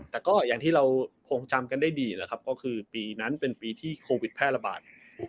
แต่ก็อย่างที่เราคงจำกันได้ดีนะครับก็คือปีนั้นเป็นปีที่โควิดแพร่ระบาด